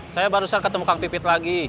saya baru saja ketemu kang pipit lagi